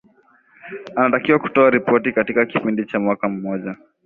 anatakiwa kutoa ripoti katika kipindi cha mwaka mmoja